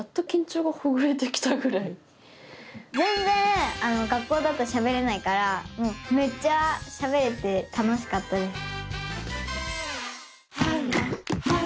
ぜんぜん学校だとしゃべれないからめっちゃしゃべれて楽しかったです。